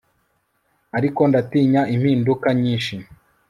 ariko ndatinya impinduka nyinshi